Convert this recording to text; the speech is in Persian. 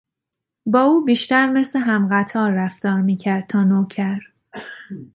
با او بیشتر مثل همقطار رفتار میکرد تا نوکر.